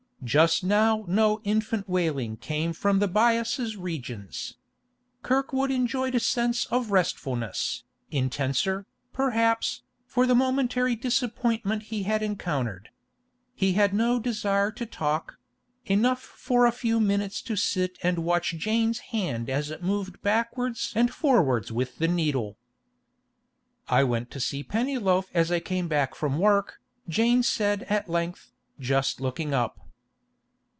Just now no infant wailing came from the Byasses' regions. Kirkwood enjoyed a sense of restfulness, intenser, perhaps, for the momentary disappointment he had encountered. He had no desire to talk; enough for a few minutes to sit and watch Jane's hand as it moved backwards and forwards with the needle. 'I went to see Pennyloaf as I came back from work,' Jane said at length, just looking up.